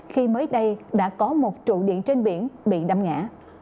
khi mới đây đã có một trụ điện trên biển bị đâm ngã